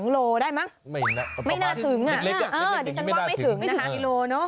ไม่เห็นนะประมาณนี้เล็กอย่างนี้ไม่น่าถึงไม่ถึง๑โลเนอะ